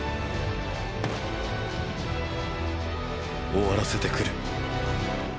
終わらせてくる。